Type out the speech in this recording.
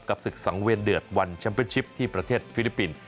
ศึกสังเวียนเดือดวันแชมเป็นชิปที่ประเทศฟิลิปปินส์